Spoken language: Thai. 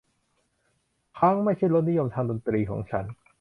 พั้งค์ไม่ใช่รสนิยมทางดนตรีของฉัน